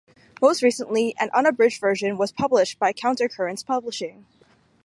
Most recently, an unabridged version was published by Counter Currents publishing.